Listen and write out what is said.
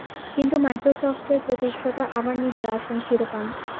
কিন্তু মাইক্রোসফটের প্রতিষ্ঠাতা আবার নিজের আসন ফিরে পান।